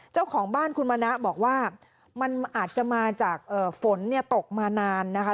เจ้าของบ้านคุณมณะบอกว่ามันอาจจะมาจากฝนเนี่ยตกมานานนะคะ